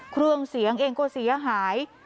เครื่องเสียงเองก็เสียหาย